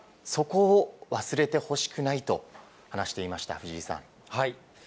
そこを忘れてほしくないと話していました、藤井さん。